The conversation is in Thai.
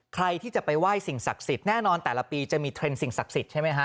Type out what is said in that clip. ใครที่จะไปไหว้สิ่งศักดิ์สิทธิ์แน่นอนแต่ละปีจะมีเทรนด์สิ่งศักดิ์สิทธิ์ใช่ไหมฮะ